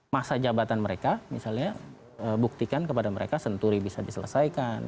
masa jabatan mereka misalnya buktikan kepada mereka senturi bisa diselesaikan